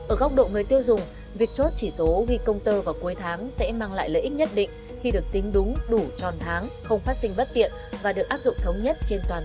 ở góc độ mới tiêu dùng việc chốt chỉ số ghi công tơ vào cuối tháng sẽ mang lại lợi ích nhất